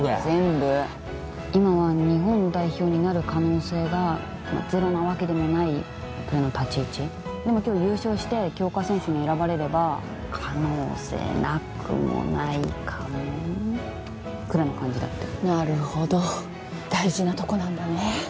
全部今は日本代表になる可能性がゼロなわけでもないぐらいの立ち位置でも今日優勝して強化選手に選ばれれば可能性なくもないかもくらいの感じだってなるほど大事なとこなんだね